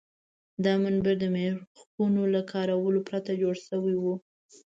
دا منبر د میخونو له کارولو پرته جوړ شوی و.